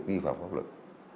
các vụ vi phạm pháp luật